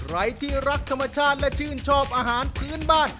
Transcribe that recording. ใครที่รักธรรมชาติและชื่นชอบอาหารพื้นบ้าน